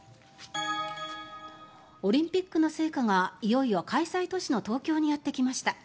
オリンピックの聖火がいよいよ開催都市の東京にやってきました。